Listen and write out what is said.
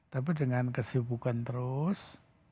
tapi dengan kesibukan terus